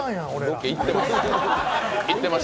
ロケ行ってます。